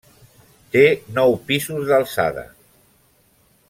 Té nou pisos d'alçada.